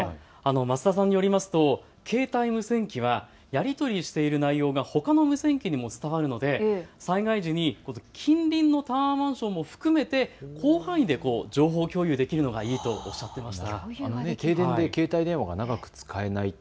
松田さんによりますと携帯無線機はやり取りしている内容がほかの無線機にも伝わるので、災害時に近隣のタワーマンションも含めて広範囲で情報共有できるのがいいとおっしゃってました。